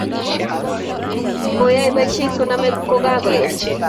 koyoe boisie koname kokaech